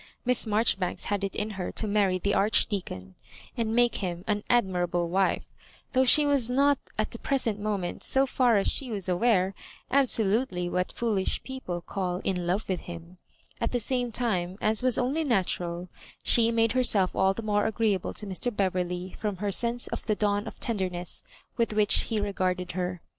Miss Maijoribanks had it in her to marry the Archdeacon, and make him an admirable wife, though she was not at the pre sent moment, so far as she was aware, absolutely what foolish people call in love with him. At the same time, as was only natural, she made herself all the more agreeable to Mr. Beverley from her sense of the dawn of tenderness with which he Digitized by VjOOQIC t0 1088 MABJCmiBAJSfKa regarded her.